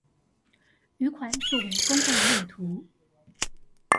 餘款作為公共用途